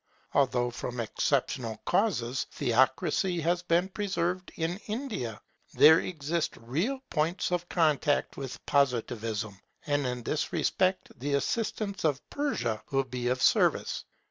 Although from exceptional causes Theocracy has been preserved in India, there exist real points of contact with Positivism; and in this respect the assistance of Persia will be of service.